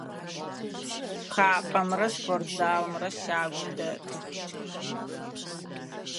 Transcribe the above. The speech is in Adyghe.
Шхапӏэмрэ спортзалымрэ щагум дэтых.